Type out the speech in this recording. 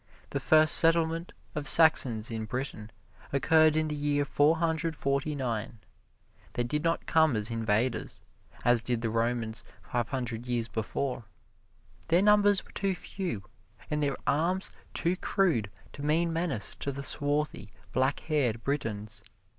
The first settlement of Saxons in Britain occurred in the year Four Hundred Forty nine. They did not come as invaders, as did the Romans five hundred years before; their numbers were too few, and their arms too crude to mean menace to the swarthy, black haired Britons.